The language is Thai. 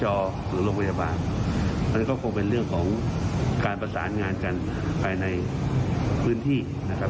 เพราะฉะนั้นก็คงเป็นเรื่องของการประสานงานกันภายในพื้นที่นะครับ